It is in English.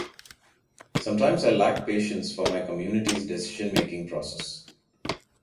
Sometimes I lack patience for my community's decision-making process.